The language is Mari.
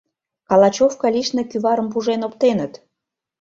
— Калачёвка лишне кӱварым пужен оптеныт.